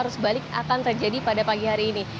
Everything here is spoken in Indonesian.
sebaliknya akan terjadi pada pagi hari ini